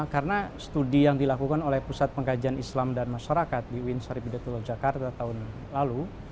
karena studi yang dilakukan oleh pusat pengkajian islam dan masyarakat di uin saripidatullah jakarta tahun lalu